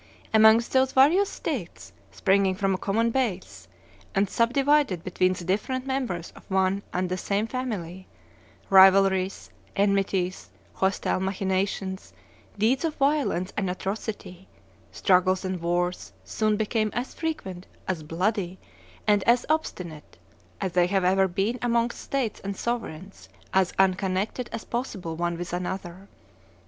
Amongst those various States, springing from a common base and subdivided between the different members of one and the same family, rivalries, enmities, hostile machinations, deeds of violence and atrocity, struggles and wars soon became as frequent, as bloody, and as obstinate as they have ever been amongst states and sovereigns as unconnected as possible one with another.